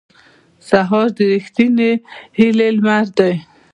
سهار د رښتینې هیلې لمر دی.